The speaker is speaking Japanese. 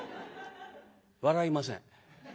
笑いません。